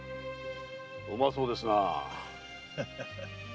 うまそうですな。